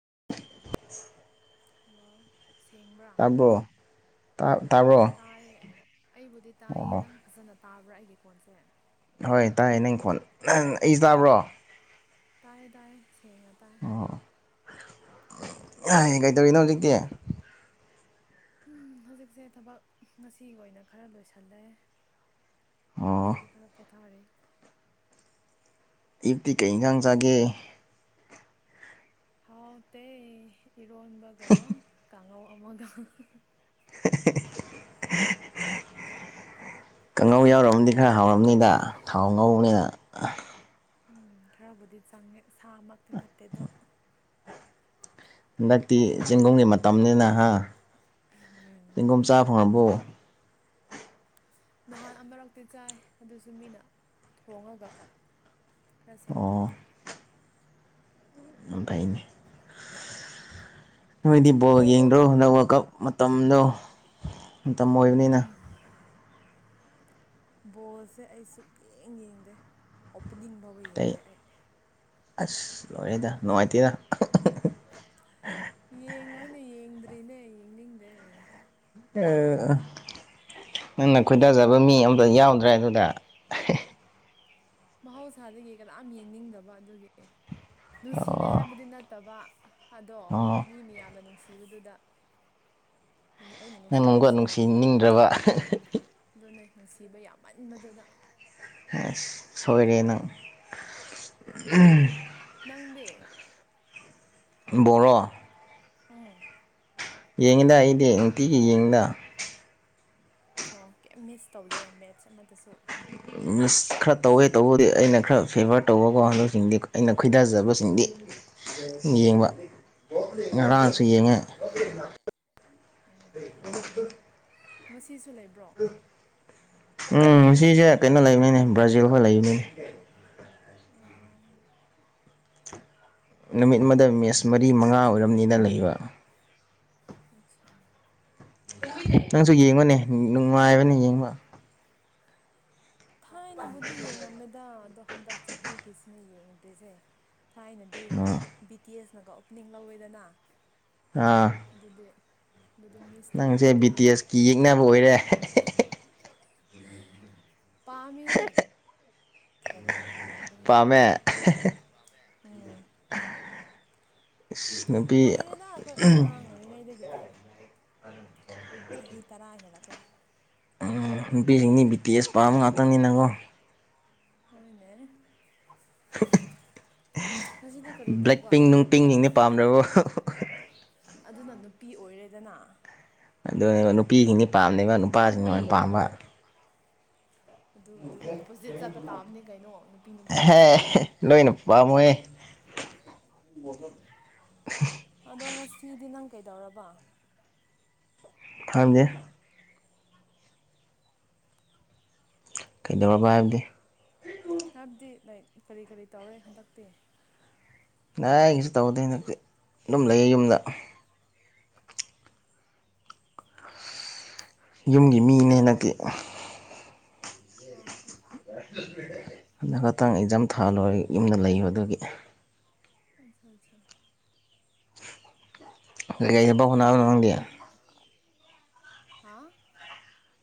[inaudible] hello ꯁꯦꯡꯕ꯭ꯔꯥ ꯇꯥꯕ꯭ꯔꯣ ꯇꯥꯕ꯭ꯔꯣ ꯇꯥꯏꯌꯦ ꯑꯩꯕꯨꯗꯤ ꯇꯥꯏꯌꯦ ꯑꯣ ꯅꯪ ꯐꯖꯅ ꯇꯥꯕ꯭ꯔꯥ ꯑꯩꯒꯤ ꯀꯣꯟꯁꯦ ꯍꯣꯏ ꯇꯥꯏ ꯅꯪꯈꯣꯟ ꯅꯪ ꯑꯩꯁꯨꯦ ꯇꯥꯕ꯭ꯔꯣ ꯇꯥꯏ ꯇꯥꯏꯌꯦ ꯁꯦꯡꯅ ꯇꯥꯏ ꯀꯩꯗꯧꯔꯤꯅꯣ ꯍꯧꯖꯤꯛꯇꯤ ꯍꯧꯖꯤꯛꯁꯦ ꯊꯕꯛ ꯉꯁꯤꯒꯤ ꯑꯣꯏꯅ ꯈꯔ ꯂꯣꯏꯁꯤꯜꯂꯦ ꯗꯗꯨꯀꯥꯟꯁꯤ ꯑꯣ ꯑꯗꯨꯗꯤ ꯈꯔꯞ ꯄꯊꯥꯔꯦ ꯏꯐꯇꯤ ꯀꯩ ꯏꯟꯁꯥꯡ ꯆꯥꯒꯦ ꯍꯥꯎ ꯇꯦ ꯏꯔꯣꯟꯕꯒ ꯀ ꯑꯉꯧ ꯑꯃꯒ [inaudible] ꯀꯥꯡꯉꯧ ꯌꯥꯎꯔꯝꯃꯗꯤ ꯈꯔ ꯍꯥꯎꯔꯕꯝꯅꯤꯗ ꯊꯥꯎ ꯉꯧꯅꯤꯅ ꯎꯝ ꯊꯔꯕꯗꯤ ꯆꯥꯡꯦ ꯁꯥꯃꯛꯇ ꯅꯠꯇꯦꯗꯣ ꯍꯟꯗꯛꯇꯤ ꯆꯦꯡꯒꯨꯝꯒꯤ ꯃꯇꯝꯅꯤꯅ ꯎꯝ ꯆꯦꯡꯒꯨꯝ ꯑꯗꯨꯕꯨꯗꯤ ꯆꯥꯐꯝꯣꯡꯕꯨ ꯅꯍꯥꯟ ꯑꯃꯔꯛꯇꯤ ꯆꯥꯏ ꯑꯗꯨꯁꯨ ꯃꯤꯅ ꯊꯣꯡꯉꯒ ꯈꯔ ꯁꯦꯝꯦꯡꯉꯛꯄ ꯑꯐꯥꯏꯅꯤ ꯅꯣꯏꯗꯤ ꯕꯣꯜ ꯅꯣꯏꯔꯣ ꯌꯦꯡꯗ꯭ꯔꯣ ꯍꯟꯗꯛ ꯋꯥ ꯀ ꯇꯝꯂꯨ ꯃꯇꯝ ꯑꯣꯏꯕꯅꯤꯅ ꯕꯣꯜꯁꯦ ꯑꯩ ꯁꯨꯝ ꯌꯦꯡ ꯌꯦꯡꯗꯦ ꯄꯨꯤꯅꯤꯡꯕꯥꯎꯕ ꯀꯩ ꯌꯦꯡꯗꯦ ꯑꯩ ꯑꯁ ꯂꯣꯏꯔꯦꯗ ꯅꯨꯡꯉꯥꯏꯇꯦꯗ ꯌꯦꯡꯉꯣꯏꯅꯦ ꯌꯦꯡꯗ꯭ꯔꯤꯅꯦ ꯌꯦꯡꯅꯤꯡꯗꯦ ꯅꯪꯅ ꯈꯣꯏꯗꯥꯖꯕ ꯃꯤ ꯑꯇ ꯌꯥꯎꯗ꯭ꯔꯦ ꯑꯗꯨꯗ ꯃꯍꯧꯁꯥꯗꯒꯤ ꯀꯅꯥꯝ ꯌꯦꯡꯅꯤꯡꯗꯕ ꯑꯗꯨꯒꯤ ꯅꯨꯡꯁꯤꯗꯦ ꯑꯣ ꯍꯥꯏꯕꯗꯤ ꯅꯠꯇꯕ ꯑꯗꯣ ꯑꯣ ꯃꯤ ꯃꯤꯌꯥꯝꯅ ꯅꯨꯡꯁꯤ ꯊꯤꯕꯗꯨꯗ ꯑꯩꯅ ꯅꯪ ꯑꯃꯨꯛꯀ ꯅꯨꯡꯁꯤꯗꯁꯨ ꯌꯥꯔꯕ꯭ꯔꯅ ꯅꯨꯡꯁꯤꯅꯤꯡꯗ꯭ꯔꯕ ꯈꯜꯕ ꯑꯗꯨꯅꯦ ꯅꯨꯡꯁꯤꯕ ꯌꯥꯝꯃꯟꯕꯗꯨꯗ ꯁꯣꯏꯔꯤꯅ ꯈꯥꯡꯗꯦ ꯣꯔ ꯎꯝ ꯌꯦꯡꯗ ꯑꯩꯗꯤ ꯅꯨꯡꯇꯤꯒꯤ ꯌꯦꯡꯗ ꯑꯣ ꯀꯩ ꯃꯤꯁ ꯇꯧꯗꯦ ꯃꯦꯠꯆ ꯑꯃꯗꯁꯨ ꯃꯤꯁ ꯈꯔ ꯇꯧꯋꯦ ꯇꯧꯕꯗꯤ ꯑꯩꯅ ꯈꯔ ꯐꯦꯚꯔ ꯇꯧꯕ ꯋꯥꯍꯟꯗꯁꯤꯡꯗꯤ ꯑꯩꯅ ꯈꯣꯏꯗꯥꯖꯕꯁꯤꯡꯗꯤ ꯌꯦꯡꯕ ꯑꯣ ꯉꯁꯦꯉ ꯑꯣ ꯑꯣ ꯉꯁꯤꯁꯨ ꯂꯩꯕ꯭ꯔꯣ ꯎꯝ ꯁꯤꯁꯦ ꯀꯩꯅꯣ ꯂꯃꯤꯅꯦ ꯕ꯭ꯔꯖꯜ ꯍ ꯂꯃꯤꯅꯦ ꯑꯥ ꯅꯨꯃꯤꯠ ꯃꯗ ꯃꯤꯁ ꯃꯔꯤ ꯃꯉꯥ ꯑꯣꯏꯔꯝꯅꯤꯅ ꯂꯩꯕ ꯑꯆꯥ ꯑ ꯁꯨ ꯌꯦꯡꯕꯅꯦ ꯅꯨꯡꯉꯥꯏꯕꯅꯦ ꯌꯦꯡꯕ ꯊꯥꯏꯅꯕꯨꯗꯤ ꯌꯦꯡꯉꯝꯃꯦꯗ ꯑꯗꯣ ꯍꯟꯗꯛ ꯆꯍꯤꯒꯤꯁꯤꯅ ꯌꯦꯡꯗ꯭ꯔꯤꯁꯦ ꯊꯥꯏꯅꯗꯤ ꯑꯥ ꯕꯤ ꯇꯤ ꯑꯦꯁ ꯅꯒ ꯑꯣꯄꯅꯤꯡ ꯂꯧꯋꯦꯗꯅ ꯑꯥ ꯑꯗꯨꯗꯤ ꯑꯗꯨꯗꯤ ꯃꯤꯁ ꯇꯧꯄꯣꯑꯟꯗꯦ ꯑꯗꯨꯗꯤ ꯏꯕꯨ ꯑꯣꯏꯔꯦ ꯄꯥꯝꯃꯤꯍꯦꯛ ꯀꯔꯤ ꯌꯦꯡꯕꯅꯤꯅꯦ ꯄꯥꯝꯃꯦ ꯎꯝ ꯅꯨꯄꯤ ꯀꯨꯏꯔꯦꯗ ꯑꯩꯈꯣꯏ ꯑꯉꯥꯡ ꯑꯣꯏꯔꯤꯉꯩꯗꯒꯤ [inaudible] ꯆꯍꯤ ꯇꯔꯥ ꯍꯦꯜ ꯀꯌꯥ ꯑꯪ ꯅꯨꯄꯤꯁꯤꯡꯗꯤ ꯕꯤ ꯇꯤ ꯑꯦꯁ ꯄꯥꯝꯕ ꯉꯥꯛꯇꯪꯅꯤꯅꯀꯣ ꯍꯣꯏꯅꯦ ꯉꯁꯤꯗꯤ ꯀꯔꯤ [inaudible] ꯕ꯭ꯂꯦꯛ ꯇꯧꯕ ꯄꯤꯡ ꯅꯨꯡ ꯄꯤꯡ ꯁꯤꯡꯗꯤ ꯄꯥꯝꯗ꯭ꯔꯕꫭ ꯑꯗꯨꯅ ꯅꯨꯄꯤ ꯑꯣꯏꯔꯦꯗꯅ ꯑꯗꯨꯅꯦ ꯅꯨꯄꯤꯁꯤꯡꯅꯤ ꯄꯥꯝꯗꯦꯕ ꯅꯨꯄꯥꯁꯤꯡꯅ ꯑꯣꯏꯅ ꯄꯥꯝꯕ ꯑꯗꯨꯕꯨ ꯗꯨꯝ ꯑꯣꯄꯣꯖꯤꯠ ꯆꯠꯄ ꯇꯥꯕꯅꯦ ꯀꯩꯅꯣ ꯅꯨꯄꯤ ꯅꯨꯄꯥ ꯍꯦ ꯍꯥꯏꯕꯁꯤꯗꯤ ꯂꯣꯏꯅ [inaudible] ꯑꯗꯣ ꯉꯁꯤꯗꯤ ꯅꯪ ꯀꯩꯗꯧꯔꯕ ꯈꯥꯡꯗꯦ ꯀꯩꯗꯧꯔꯕ ꯍꯥꯏꯕꯗꯤ ꯍꯥꯏꯕꯗꯤ ꯂꯥꯏꯛ ꯀꯔꯤ ꯀꯔꯤ ꯇꯧꯔꯦ ꯍꯟꯗꯛꯇꯤ ꯅ ꯑꯩꯀꯩꯁꯨ ꯇꯧꯗꯦ ꯍꯟꯗꯛꯇꯤ ꯑꯗꯨꯝ ꯂꯩꯌꯦ ꯌꯨꯝꯗ ꯌꯨꯝꯒꯤ ꯃꯤꯅꯦ ꯍꯟꯗꯛꯇꯤ ꯑꯣ ꯍꯟꯗꯛ ꯈꯛꯇꯪ ꯑꯦꯛꯖꯥꯝ ꯊꯥ ꯂꯣꯏꯔ ꯌꯨꯝꯗ ꯂꯩꯕ ꯑꯗꯨꯒꯤ ꯑꯠꯁꯥ ꯁꯥ ꯁꯥ ꯂꯩꯒꯕꯧ [unintelligible] ꯑꯗꯨ ꯈꯪꯗꯤꯌꯦ ꯍꯥ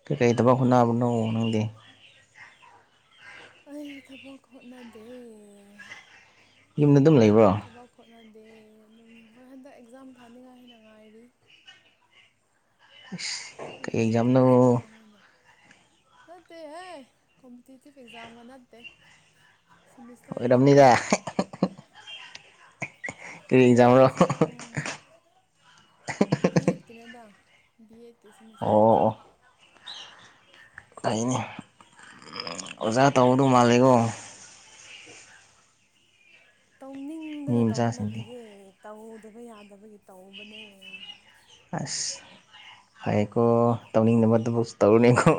ꯀꯩꯀꯩ ꯗꯕ ꯍꯣꯠꯅꯕꯅꯣ ꯅꯪꯗꯤ ꯑꯩ ꯊꯕꯛ ꯍꯣꯠꯅꯗꯦ ꯌꯨꯝ ꯊꯕꯛ ꯍꫭꯠꯅ ꯗꯦ ꯑꯗꯨꯝ ꯍꯣꯏ ꯍꯟꯗꯛ ꯑꯦꯛꯖꯥꯝ ꯊꯥꯅꯤꯡꯉꯥꯏ ꯍꯥꯏꯅ ꯉꯥꯏꯔꯤ ꯑꯁ ꯀꯩ ꯑꯦꯛꯖꯥꯝ ꯑꯦꯛꯖꯝ ꯅꫭ ꯊꯥꯁꯤꯔꯥ ꯍꯥꯏꯅ ꯅꯠꯇꯦꯍꯦ ꯀꯝꯄꯤꯇꯤꯇꯤꯚ ꯑꯦꯛꯖꯥꯝꯒ ꯅꯠꯇꯦ ꯁꯤꯃꯤꯁꯇꯔ ꯑꯣꯏꯔꯝꯅꯤꯗ ꯑꯦꯛꯖꯥꯝꯅꯤ ꯀꯔꯤ ꯑꯦꯛꯖꯥꯝꯔꯣ ꯀꯣꯛꯁꯤꯗ ꯎꯝ ꯕꯤ ꯑꯦꯠꯀꯤꯅꯦꯗ ꯕꯤ ꯑꯦꯠ ꯑꯦ ꯀꯤ ꯁ‌ꯦꯃꯤꯁꯇꯔ ꯑꯣ ꯑꯣ ꯑꯦꯛꯖꯥꯝ ꯐꯩꯅꯦ ꯑꯣꯖꯥ ꯇꯧꯒꯗꯧ ꯃꯥꯜꯂꯦꯀꯣ ꯇꯧꯅꯤꯡꯗꯅ ꯃꯤ ꯇꯧꯕ ꯃꯆꯥꯁꯤꯡꯗꯤ ꯅꯠꯇꯤꯌꯦ ꯇꯧꯗꯕ ꯌꯥꯗꯕꯒꯤ ꯇꯧꯕꯅꯦ ꯑꯁ ꯐꯩꯌꯦꯀꯣ ꯇꯧꯅꯤꯡꯗꯕꯗꯨꯕꯨ ꯇꯧꯔꯨꯅꯦꯀꯣ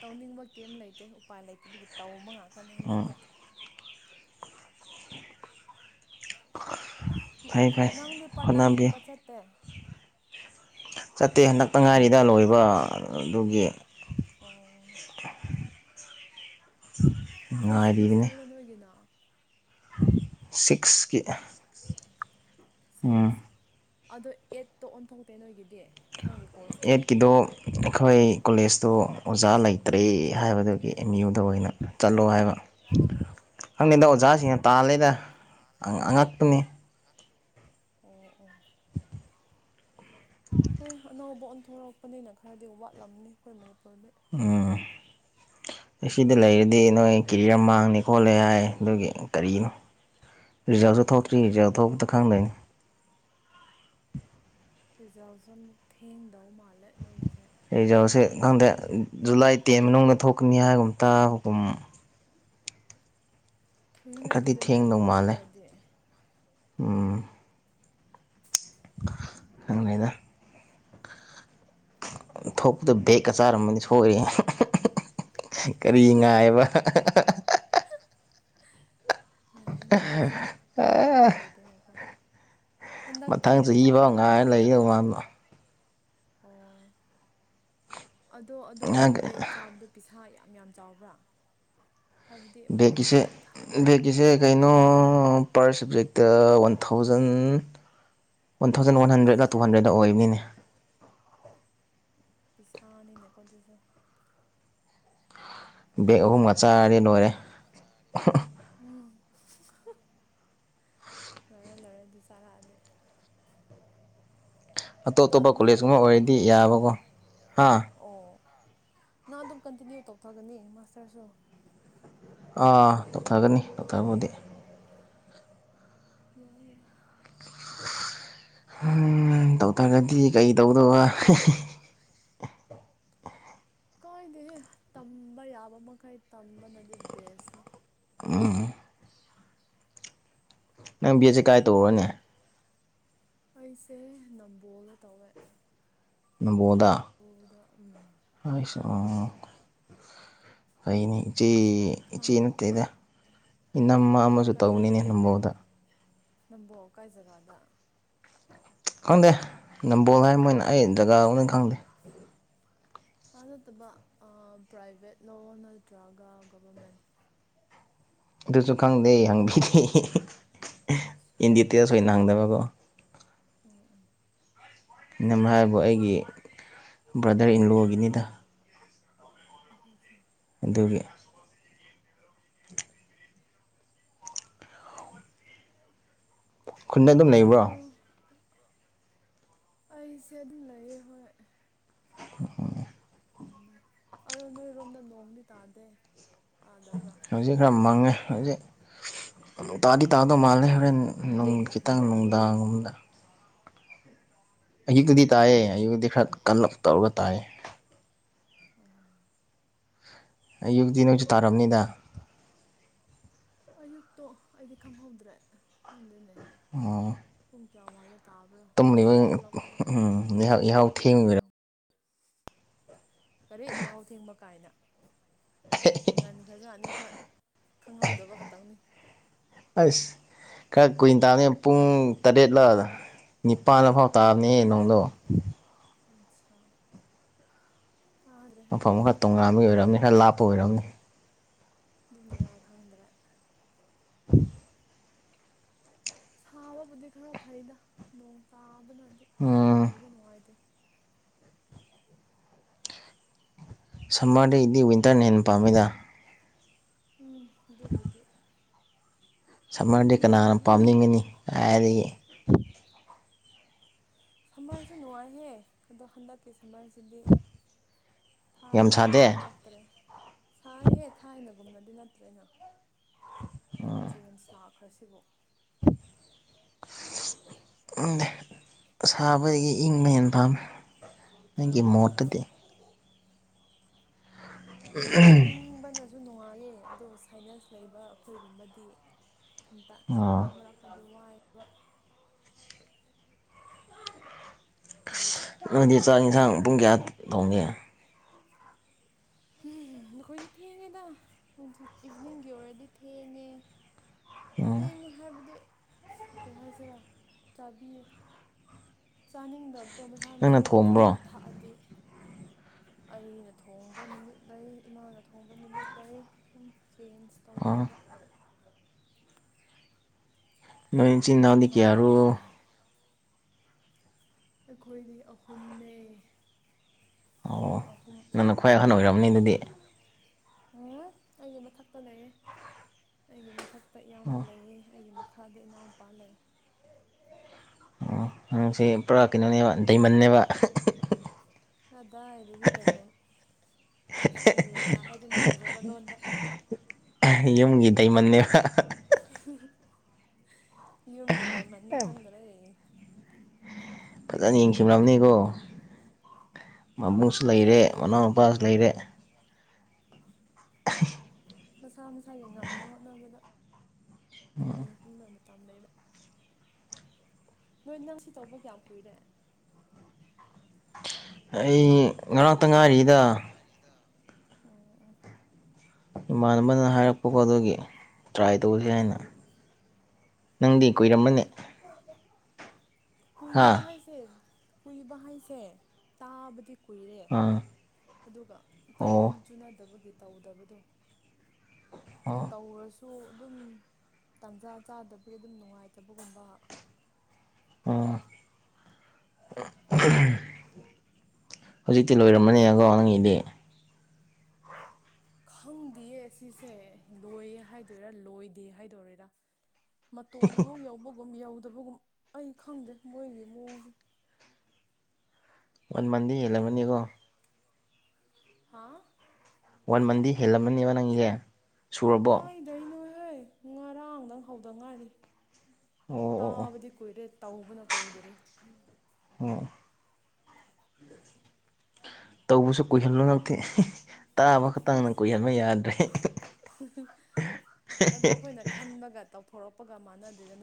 ꯇꯧꯅꯤꯡ ꯃꯥꯕꯥ ꯀꯦ ꯂꯥꯏ ꯑ ꯎꯄꯥꯏ ꯂꯩꯇꯅꯒꯤ ꯇꯧꯕ ꯉꯥꯛꯇ ꯑꯣ ꯐꯩ ꯐꯩ ꯅꯪꯗꯤ ꯄꯇꯥꯟꯒꯨꯝꯕ ꯆꯠꯇꯦ ꯆꯇ ꯍ ꯇꯪꯉꯥꯏꯔꯤꯗ ꯂꯣꯏꯕ ꯑꯗꯨꯒꯤ ꯑꯣ ꯍꯣꯏ ꯁꯤꯃꯤꯁꯇꯔꯅꯣ ꯅ ꯑꯣꯏꯣꯏꯒꯤꯅ ꯁꯤꯛꯁ ꯀ ꯁꯤꯛꯁ ꯑꯗꯣ ꯑꯦꯠꯇꯣ ꯑꯣꯟꯊꯣꯛꯇꯦ ꯅꯣꯏꯒꯤꯗꯤ ꯗꯦ ꯅꯪꯒꯤ ꯀꯣꯔꯁ ꯗꯦ ꯑꯦꯠꯀꯤꯗꯣ ꯑꯩꯈꯣꯏ ꯀꯣꯂꯦꯖꯇꯨ ꯑꯣꯖꯥ ꯂꯩꯇ꯭ꯔꯦ ꯍꯥꯏꯕꯗꯨꯒꯤ ꯑꯨ ꯇꯑꯣꯅ ꯆꯠꯂꯣ ꯍꯥꯏꯕ ꯍꯪꯅꯩꯗ ꯑꯠꯆꯥ ꯑꯣꯖꯥꯁꯤꯡꯅ ꯑꯠꯆꯥ ꯑꯣ ꯇꯥꯜꯂꯤꯗ ꯑꯉꯛꯄꯨꯅꯤ ꯑꯣ ꯑꯣ [unintelligible] ꯍꯣꯏ ꯑꯅꯧꯕ ꯑꯣꯟꯊꯣꯔꯛꯄꯅꯤꯅ ꯈꯔꯗꯤ ꯋꯥꯠꯂꯝꯅꯤ ꯑꯩꯈꯣꯏ ꯃꯅꯤꯄꯨꯔ ꯎꯝ ꯁꯤꯗ ꯂꯩꯔꯗꯤ ꯅꯣꯏ ꯀꯦꯔꯤꯌꯔ ꯃꯥꯡꯅꯤꯦ ꯈꯣꯠꯂꯦ ꯍꯥꯏ ꯑꯗꯨꯒꯤ ꯀꯔꯤꯅꯣ ꯔꯤꯖꯥꯕꯁꯨ ꯑꯣ ꯊꯣꯛꯇ꯭ꯔꯤ ꯑꯣ ꯔꯤꯖꯥ ꯊꯗ ꯈꯪꯗꯅꯤ ꯔꯤꯖꯜꯠꯁꯨ ꯑꯃꯨꯛ ꯊꯦꯡꯗꯧ ꯃꯥ ꯑꯩꯖꯧꯁꯦ ꯈꯪꯗꯦ ꯖꯨꯂꯥꯏ ꯇꯦꯟ ꯃꯅꯨꯡꯗ ꯊꯣꯛ ꯀꯨꯛꯅꯤꯌꯥꯒꯨꯝꯇꯥ ꯍꯨꯒꯨꯝ ꯊꯨꯏꯅ ꯈꯔꯗꯤ ꯑꯗꯨꯗꯤ ꯑꯃꯨꯛꯁꯨ ꯊꯦꯡꯗꯧ ꯉꯥꯏ ꯃꯥꯜꯂꯦ ꯍꯥꯏꯔꯗꯤ ꯎꯝ ꯈ ꯂꯩꯣꯏꯗ ꯊꯣꯛꯄꯗ ꯕꯦꯒꯀ ꯆꯥꯔꯝꯃꯅꯤ ꯁꯣꯏꯔꯦ ꯀꯔꯤ ꯉꯥꯏꯕ ꯌꯥꯏꯅꯦ ꯑꯗꯨꯁꯨ ꯎꯄꯥꯏ ꯂꯩꯗꯦꯅꯀꯣ ꯃꯊꯪ ꯆꯍꯤ ꯐꯥꯎ ꯉꯥꯏꯅ ꯕꯦꯛ ꯂꯩꯗ ꯃꯥꯡꯗꯣ ꯑꯣ ꯑꯗꯣ ꯑꯗꯨꯒꯨꯝꯕ ꯕꯦꯒ ꯆꯥꯕꯗꯣ ꯄ ꯁꯥ ꯌꯥꯝ ꯌꯥꯝ ꯆꯥꯎꯕ꯭ꯔꯥ ꯍꯥꯏꯕꯗꯤ ꯑꯃꯨꯛ ꯕꯦꯛꯀꯤꯁꯦ ꯕꯦꯛ ꯊꯥꯅꯤꯡꯉꯥꯏ ꯕꯦꯒꯀꯤꯁꯦ ꯀꯩꯅꯣ per subject one thousand one thousand one ꯍꯟꯗ꯭ꯔꯦꯗꯂ ꯇꯨ ꯍꯟꯗ꯭ꯔꯦꯗ ꯑꯁ ꯑꯣꯏꯕꯅꯤꯅꯦ ꯄꯤꯁꯥꯅꯤꯅꯦꯀꯣ ꯑꯗꯨꯁꯨ ꯕꯦꯛ ꯑꯣꯍꯨꯝꯒ ꯎꯝ ꯃꯔꯔ ꯂꯔꯦ ꯑꯗꯨ ꯆꯥꯔꯛꯑꯗꯤ ꯑꯇꯣꯞ ꯑꯗꯣ ꯑꯇꯣꯞꯄ ꯅꯪ ꯀꯣꯂꯦꯖꯀꯕ ꯑꯗꯨꯝ ꯑꯣꯏꯔꯗꯤ ꯀꯟꯇꯤꯅ꯭ꯌꯨ ꯌꯥꯕꯀꯣ ꯍꯥꯥ ꯑꯣ ꯅꯪ ꯑꯗꯨꯝ ꯀꯟꯇꯤꯅ꯭ꯌꯨ ꯇꯧꯊꯒꯅꯤ ꯃꯥꯁꯇꯔꯁꯨ ꯑꯥ ꯇꯛꯊꯒꯅꯤ ꯇꯛꯊꯕꯨꯗꯤ [unintelligible] ꯎ ꯇꯧꯇꯥꯔꯒꯗꯤ ꯀꯩ ꯇꯧꯗꯧꯕ ꯀꯣꯏꯅꯤ ꯇꯝꯕ ꯌꯥꯕ ꯃꯈꯩ ꯇꯝꯕꯅꯗꯤ ꯕꯦꯁꯅꯤ ꯑꯥ ꯅꯪ ꯕꯦꯠꯁꯦ ꯀꯥꯏ ꯇꯧꯔꯣꯅꯤ ꯑꯩꯁꯦ ꯅꯝꯕꯣꯜꯒ ꯇꯧꯋꯦ ꯅꯝꯕꯣꯗ ꯅꯝꯕꯣꯜꯗ ꯎꯝ ꯑꯁꯨ [unintelligible] ꯑꯩꯅꯤ ꯆꯤ ꯁꯤꯗꯗꯤ ꯐꯪ ꯆꯤ ꯅꯠꯇꯦꯗ ꯅꯝꯃ ꯑꯃꯁꯨ ꯇꯧꯅꯤꯅꯦ ꯀꯔꯤ ꯅꯝꯕꯣꯗ ꯅꯝꯕꯣꯜ ꯀꯥꯏ ꯖꯒꯥꯗ ꯈꯪꯗꯦ ꯅꯝꯕꯣꯜ ꯍꯥꯏ ꯃꯣꯏꯅ ꯑꯩ ꯖꯒꯥ ꯂꯧꯅꯤ ꯈꯪꯗꯦ ꯥ ꯅꯠꯇꯕ ꯄ꯭ꯔꯥꯏꯚꯦꯠꯂꯣ ꯅꯠꯇ꯭ꯔꯒ ꯒꯚꯔꯃꯦꯟ ꯑꯗꯨꯁꯨ ꯈꯪꯗꯦ ꯍꯪꯕꯤ [unintelligible] ꯑꯠꯁꯥ ꯏꯟꯗꯤꯇꯦꯜꯁ ꯑꯣꯏ [unintelligible] ꯑꯣ ꯑꯣ ꯝ ꯍꯥꯏꯕꯨ ꯑꯩꯒꯤ ꯕ꯭ꯔꯗꯔ ꯏꯟꯂꯣꯒꯤꯅꯤꯗ [unintelligible] ꯗꯨꯒꯤ ꯈꯨꯟꯗ ꯑꯗꯨꯝ ꯂꯩꯕ꯭ꯔꯣ ꯑꯗꯣ ꯑꯩꯁꯦ ꯑꯗꯨꯝ ꯂꯩꯌꯦ ꯍꯣꯏ ꯑꯗꯣ ꯅꯣꯏꯔꯣꯝꯗ ꯅꯣꯡꯗꯤ ꯇꯥꯗꯦ ꯇꯥꯗꯕ꯭ꯔꯥ ꯍꯧꯖꯤꯛ ꯈ ꯃꯥꯡꯉꯦ ꯍꯧꯖꯤꯛ ꯅꯨꯡ ꯇꯥꯗꯤ ꯇꯥꯗꯧ ꯃꯥꯜꯂꯦ ꯍꯣꯔꯦꯟ ꯅꯨꯡ ꯈꯤꯇꯪ ꯅꯨꯡꯗꯥꯡꯒꯨꯝꯝꯗ ꯑꯌꯨꯛꯇꯗꯤ ꯇꯥꯏꯌꯦ ꯑꯌꯨꯛꯛꯇꯗꯤ ꯈꯔ ꯀꯂꯞ ꯇꯧꯔꯒ ꯇꯥꯏꯌꯦ [unintelligible] ꯑꯌꯨꯛꯇꯤ ꯅꯪꯁꯨ ꯇꯥꯔꯕꯅꯤꯗ ꯑꯌꯨꯛꯇꯣ ꯑꯩꯗꯤ ꯈꯪꯍꯧꯗ꯭ꯔꯦ ꯈꯪꯗꯅꯦ ꯑꯣ ꯌꯥ ꯑꯋꯥ ꯇꯝꯂꯤꯕ ꯎꯝ ꯎꯝ ꯏꯍꯥꯎ ꯊꯦꯡꯔꯝ ꯀꯔꯤ ꯌꯥꯎ ꯊꯦꯡꯕ ꯀꯥꯏꯅ ꯉꯟꯈ꯭ꯔꯖꯥꯠꯅꯤ ꯈꯣꯏ ꯈꯪꯍꯧꯗꯕ ꯈꯇꯪꯅꯤ ꯑꯁ ꯈꯔ ꯀꯨꯏꯟ ꯇꯥꯅꯤ ꯄꯨꯡ ꯇꯔꯦꯠꯂꯥꯛꯗ ꯅꯤꯄꯥꯥꯟꯅ ꯐꯥꯎ ꯇꯥꯔꯅꯦ ꯅꯪꯗꯣ ꯑꯆꯥ ꯃꯐꯝ ꯑꯃ ꯈꯔ ꯇꯣꯉꯥꯟꯥꯟꯕ ꯑꯃꯒꯤ ꯑꯣꯏꯔꯝꯅꯤ ꯈꯔ ꯂꯥꯞꯄ ꯑꯣꯏꯔꯝꯅꯤ ꯑꯗꯨꯝꯗꯔ ꯈꯪꯗ꯭ꯔꯦ ꯁꯥꯕꯕꯨꯗꯤ ꯈꯔ ꯐꯩꯗ ꯅꯣꯡ ꯇꯥꯕꯅ ꯍꯥꯏꯗꯤ ꯎꯝ ꯂꯩꯕ ꯅꯨꯡꯉꯥꯏꯇꯦ ꯁꯝꯃꯔꯗꯗꯤ ꯋꯤꯟꯇꯔꯅ ꯍꯦꯟꯅ ꯄꯥꯝꯃꯤꯗ ꯎꯝ ꯑꯗꯨꯕꯨꯗꯤꯦ ꯁꯝꯃꯔꯗꯤ ꯀꯅꯥꯅꯣ ꯄꯥꯝꯅꯤꯡꯉꯅꯤ ꯍꯥꯏꯔꯗꯤ ꯎꯝ ꯁꯝꯃꯔꯁꯨ ꯅꯨꯡꯉꯥꯏꯍꯦ ꯑꯗꯣ ꯍꯟꯗꯛꯀꯤ ꯁꯝꯃꯔꯁꯤꯗꯤ ꯌꯥꯝ ꯁꯥꯗꯦ ꯊꯥꯏꯅꯒꯨꯝꯕꯗꯤ ꯅꯠꯇ꯭ꯔꯦ ꯁꯥꯥꯏꯍꯦꯛ ꯊꯥꯏꯅꯒꯨꯝ ꯒꯨꯝꯅꯗꯤ ꯅꯠꯇ꯭ꯔꯦꯅ ꯅ ꯆ ꯁꯅꯥ ꯈꯔꯁꯤꯕꯨ ꯁꯥꯕꯗꯒꯤ ꯏꯪꯕ ꯍꯦꯟ ꯄꯥꯝꯃꯦ ꯑꯩꯒꯤ ꯎꯝ ꯃꯣꯠꯇꯗꯤ ꯎꯝ ꯑꯗꯨ ꯅꯨꯡꯉꯥꯏꯂꯦ ꯑꯗꯣ ꯁꯥꯏꯅꯁ ꯂꯩꯕ ꯑꯩꯈꯣꯏꯒꯨꯝꯕꯗꯤ ꯃꯔꯛ ꯑꯣ ꯃꯔꯛꯇꯗꯤ ꯋꯥꯏ ꯋꯥ ꯑꯗꯨꯒꯤꯅꯦ ꯅꯗꯤ ꯆꯥꯛ ꯌꯦꯟꯁꯥꯡ ꯄꯨꯡ ꯀꯌꯥ ꯊꯣꯅꯤ ꯎ ꯅꯈꯣꯏꯗꯤ ꯊꯦꯡꯉꯦꯗ ꯏꯚꯤꯅꯤꯡꯒꯤ ꯑꯣꯏꯔꯗꯤ ꯊꯦꯡꯉꯦ ꯎꯝ ꯊꯦꯡꯉꯦ ꯍꯥꯏꯕꯗꯤ ꯀꯩ ꯍꯥꯏꯁꯤꯔꯥ ꯆꯥꯕꯤꯌꯦ ꯆꯥꯅꯤꯡꯗꯕ ꯑꯇꯣ ꯃꯁꯥ ꯅꯪꯅ ꯃꯁꯥꯒꯤ ꯆꯥ ꯊꯣꯡꯕ꯭ꯔꯣ ꯊꯛꯑꯗꯤ ꯑꯩꯅ ꯊꯣꯡ ꯅꯨꯃꯤꯠ ꯂꯩ ꯏꯃꯥꯅ ꯊꯣꯡꯕ ꯅꯨꯃꯤꯠ ꯂꯩ ꯑꯗꯨꯝ ꯆꯦꯟ ꯑꯣ ꯇꯧꯅꯔꯒ ꯅꯣꯏ ꯏꯆꯤꯟ ꯑꯉꯝ ꯏꯅꯥꯎꯗꯤ ꯀꯩꯌꯥꯔꯣ ꯑꯉꯝꯕꯅꯦ ꯑꯩꯈꯣꯏꯗꯤ ꯑꯍꯨꯝꯅꯦ ꯑꯣ ꯑꯍꯨꯝ ꯅꯪꯅ ꯈ꯭ꯋꯥꯏ ꯑꯍꯟ ꯑꯣꯏꯔꯝꯅꯤ ꯑꯗꯨꯗꯤ ꯎꯝ ꯑꯩꯒꯤ ꯃꯊꯛꯇ ꯂꯩꯌꯦ ꯑꯩꯒꯤ ꯃꯊꯛ ꯑꯌꯥꯝꯕ ꯂꯩꯌꯦ ꯑꯩꯒꯤ ꯃꯈꯥꯗ ꯏꯅꯥꯎꯄꯥꯥ ꯂꯩ ꯑꯣ ꯅꯪꯁꯤ ꯄꯨꯔꯥ ꯀꯩꯅꯣꯅꯦꯕ ꯗꯥꯏꯃꯟꯅꯦꯕ ꯀꯗꯥꯏꯗꯒꯤ ꯗꯥꯏꯃꯟ ꯁꯤꯟꯗꯦꯂꯥ ꯍꯥꯏꯗꯨꯅꯤ ꯐꯖꯕ ꯂꯣꯟꯗ ꯌꯨꯝꯒꯤ ꯗꯥꯏꯃꯟꯅꯦꯕ [unintelligible] ꯌꯨꯝꯒꯤ ꯗꯥꯏ ꯃꯟꯅ ꯀꯪꯗ꯭ꯔꯦ ꯐꯖꯅ ꯌꯦꯡꯁꯤꯜꯂꯝꯅꯤꯀꯣ ꯃꯕꯨꯡꯁꯨ ꯂꯩꯔꯦ ꯀꯗꯥꯏꯗꯩꯅꯣꯗ ꯃꯅꯥꯎ ꯅꯨꯄꯥꯁꯨ ꯂꯩꯔꯦ ꯃꯁꯥ ꯃꯁꯥꯒꯤ ꯉꯝꯅ ꯍꯣꯠꯅꯕꯗ [unintelligible] ꯇꯝ ꯂꯩꯕ ꯅꯣꯏ ꯅꯪ ꯁꯤ ꯇꯧꯕ ꯀꯌꯥꯝ ꯀꯨꯏꯔꯦ ꯑꯩ ꯉꯔꯥꯡꯇ ꯉꯥꯏꯔꯤꯗ ꯑꯣ ꯏꯃꯥꯟꯅꯕꯅ ꯍꯥꯏꯔꯛꯄꯀꯣ ꯑꯗꯨꯒꯤ ꯇ꯭ꯔꯥꯏ ꯑꯣ ꯇꯧꯁꯤ ꯑꯣ ꯍꯥꯏꯅ ꯅꯪꯗꯤ ꯀꯨꯏꯔꯝꯃꯥꯅꯦ ꯀꯨꯍꯤꯕ ꯍꯥꯏꯁꯦ ꯀꯨꯏꯕ ꯍꯥꯏꯩꯁꯦ ꯇꯥꯕꯗꯤ ꯀꯨꯏꯔꯦ ꯑꯥ ꯑꯗꯨꯒ ꯑꯣ ꯇꯥꯏꯃꯤꯡ ꯆꯨꯅꯗꯕꯒꯤ ꯇꯧꯗꯕꯗꯣ ꯑꯣ ꯇꯧꯔꯁꯨ ꯁꯨ ꯑꯗꯨꯝ ꯇꯥꯟꯖꯥ ꯆꯥꯗꯕꯒꯤ ꯑꯗꯨꯝ ꯅꯨꯡꯉꯥꯏꯇꯕꯒꯨꯝꯕ ꯑꯣ ꯍꯧꯖꯤꯛꯇꯤ ꯂꯣꯏꯔꯝꯃꯅꯦꯀꯣ ꯅꯪꯒꯤꯗꯤ ꯈꯪꯗꯦꯌꯦ ꯁꯤꯁꯦ ꯂꯣꯏꯌꯦ ꯍꯥꯏꯗꯣꯏꯔꯥ ꯂꯣꯏꯗꯦ ꯍꯥꯏꯗꯣꯏꯔꯤꯔ ꯃꯇꯣꯟ ꯑꯃꯨꯛ ꯌꯧꯕꯒꯨꯝ ꯌꯧ ꯑꯗꯨꯒꯨꯝ ꯑꯩ ꯈꯪꯗꯦ ꯃꯣꯏꯒꯤ ꯃꯑꯣꯡꯁꯦ ꯋꯥꯟ ꯃꯟꯗꯤ ꯍꯦꯜꯂꯝꯃꯅꯤꯀꯣ ꯍꯥ ꯋꯥꯟ ꯃꯟꯗꯤ ꯍꯦꯜꯂꯝꯃꯅꯤꯕ ꯅꯪꯒꯤꯁꯦ ꯁꯨꯔꯕꯣ ꯍꯦ ꯉꯔꯥꯡꯗꯪ ꯍꯧꯗ ꯉꯥꯏꯔꯤ ꯑꯣ ꯑꯣ ꯑꯣ ꯇꯥꯕꯗꯤ ꯀꯨꯏꯔꯦ ꯇꯧꯕꯅ ꯀꯨꯏꯗꯔꯤ ꯍꯝ ꯇꯧꯕꯁꯨ ꯀꯨꯏꯍꯟꯂꯨ ꯍꯟꯗꯛꯇꯤ ꯇꯥꯕ ꯈꯛꯇꯥꯡꯅ ꯀꯨꯏꯍꯟꯕ ꯌꯥꯗ꯭ꯔꯦ ꯑꯗꯣ ꯑꯩꯈꯣꯏꯅ ꯈꯟꯕꯒ ꯇꯧ ꯍꯧꯔꯛꯄꯒ ꯃꯥꯟꯅꯗꯦꯗꯅ